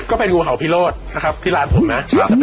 ไปดูงูเห่าพิโรธนะครับที่ร้านผมนะ